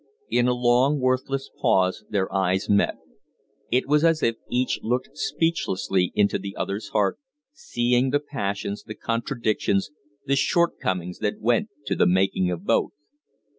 In a long, worthless pause their eyes met. It was as if each looked speechlessly into the other's heart, seeing the passions, the contradictions, the shortcomings that went to the making of both.